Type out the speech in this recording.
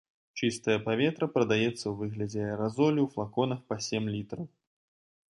Чыстае паветра прадаецца ў выглядзе аэразолю ў флаконах па сем літраў.